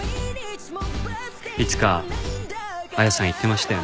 いつか彩さん言ってましたよね。